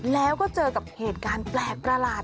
แล้วก็เจอกับเหตุการณ์แปลกประหลาด